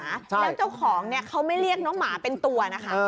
แล้วเจ้าของเนี่ยเขาไม่เรียกน้องหมาเป็นตัวนะคะ